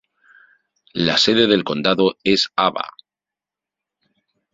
La sede del condado es Ava.